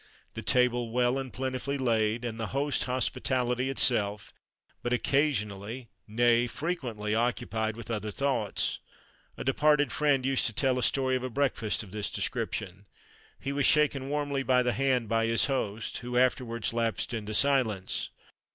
The table well and plentifully laid, and the host hospitality itself, but occasionally, nay, frequently, occupied with other thoughts. A departed friend used to tell a story of a breakfast of this description. He was shaken warmly by the hand by his host, who afterwards lapsed into silence.